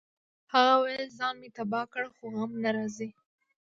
هغه ویل ځان مې تباه کړ خو غم نه راځي